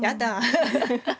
ハハハッ。